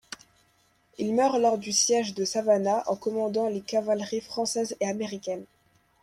Il meurt lors du siège de Savannah en commandant les cavaleries française et américaine.